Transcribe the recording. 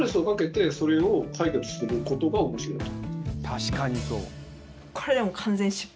確かにそう。